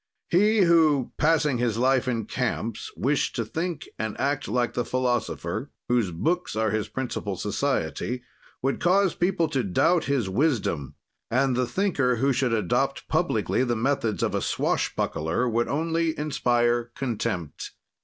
"He who, passing his life in camps, wished to think and to act like the philosopher, whose books are his principal society, would cause people to doubt his wisdom; and the thinker who should adopt publicly the methods of a swashbuckler would only inspire contempt."